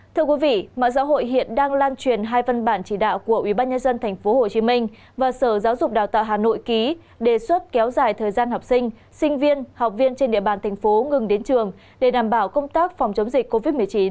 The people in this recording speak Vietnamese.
thưa quý vị mạng xã hội hiện đang lan truyền hai văn bản chỉ đạo của ubnd tp hcm và sở giáo dục đào tạo hà nội ký đề xuất kéo dài thời gian học sinh sinh viên học viên trên địa bàn thành phố ngừng đến trường để đảm bảo công tác phòng chống dịch covid một mươi chín